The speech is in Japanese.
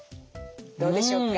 どうでしょうか？